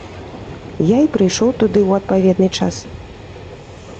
Я й прыйшоў туды ў адпаведны час.